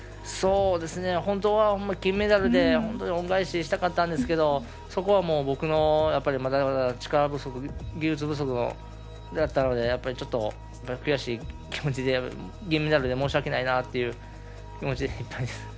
本当は金メダルで恩返ししたかったんですけどそこは僕がまだまだ力不足技術不足だったのでちょっと悔しい気持ちで銀メダルで申し訳ないなっていう気持ちでいっぱいです。